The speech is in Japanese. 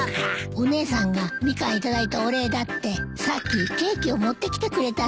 お姉さんがミカン頂いたお礼だってさっきケーキを持ってきてくれたの。